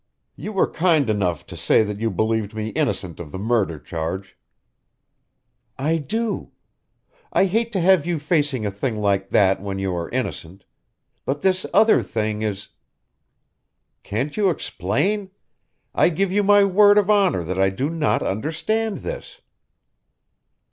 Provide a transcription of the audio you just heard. "You were kind enough to say that you believed me innocent of the murder charge " "I do. I hate to have you facing a thing like that when you are innocent. But this other thing is " "Can't you explain? I give you my word of honor that I do not understand this."